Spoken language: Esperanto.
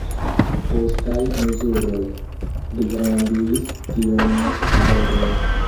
Postaj mezuroj pligrandigis tiun valoron.